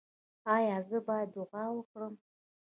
ایا زه باید دعا وکړم؟